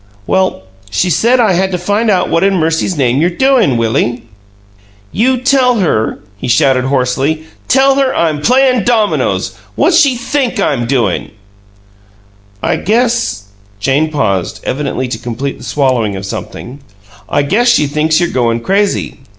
"Well, she said I had to find out what in mercy's name you're doin', Willie." "You tell her," he shouted, hoarsely "tell her I'm playin' dominoes! What's she THINK I'm doin'?" "I guess" Jane paused, evidently to complete the swallowing of something "I guess she thinks you're goin' crazy.